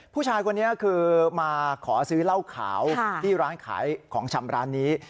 ผู้ชายคนนี้คือมาขอซื้อเหล้าขาวที่ร้านขายของชำร้านนี้